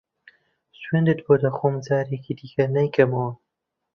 سوێندت بۆ دەخۆم جارێکی دیکە نایکەمەوە.